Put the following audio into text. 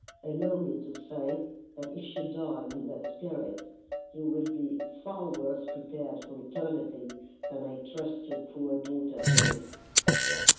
"Allow me to say that if you die in that spirit, you will be far worse prepared for eternity than I trust your poor daughter was."